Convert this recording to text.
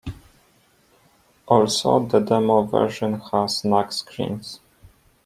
Also, the demo version has nag screens.